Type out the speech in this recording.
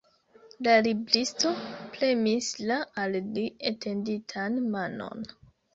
La libristo premis la al li etenditan manon.